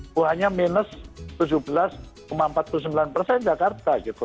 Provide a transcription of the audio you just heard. bukan hanya minus tujuh belas empat puluh sembilan persen jakarta gitu